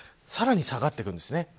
さらに下がってくるんですね。